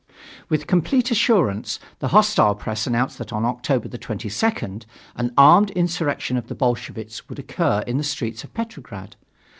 With complete assurance, the hostile press announced that on October 22nd an armed insurrection of the Bolsheviks would occur in the streets of Petrograd.